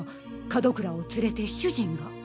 門倉を連れて主人が。